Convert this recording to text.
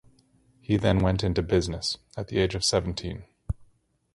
He then went into business, at the age of seventeen.